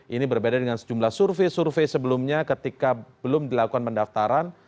ini berbeda dengan sejumlah survei survei sebelumnya ketika belum dilakukan pendaftaran